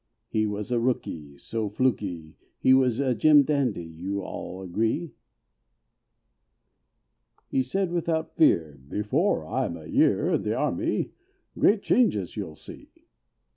He was a rookey, so flukey, He was a jim dandy you all will agree, He said without fear, "Before I'm a year In the Army, great changes you'll see."